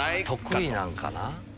得意なんかな。